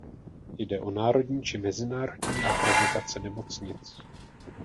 Jde o národní či mezinárodní akreditace nemocnic.